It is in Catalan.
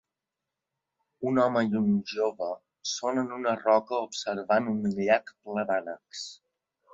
Un home i un jove són en una roca observant un llac ple d'ànecs